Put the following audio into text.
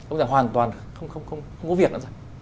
ông già hoàn toàn không có việc nữa rồi